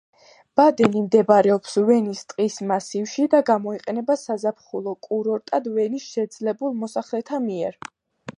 ბადენი მდებარეობს ვენის ტყის მასივში და გამოიყენება საზაფხულო კურორტად ვენის შეძლებულ მოსახლეთა მიერ.